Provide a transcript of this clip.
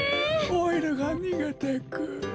オイルがにげてく。